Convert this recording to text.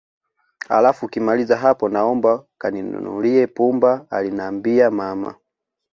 Alafu ukimaliza hapo naomba kaninunulie pumba alinambia mama